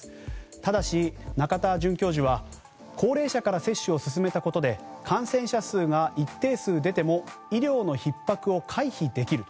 ただし、仲田准教授は高齢者から接種を進めたことで感染者数が一定数出ても医療のひっ迫を回避できる。